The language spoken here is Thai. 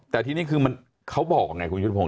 แต่ที่นี่คือมันเขาบอกไงคุณชุดพงษ์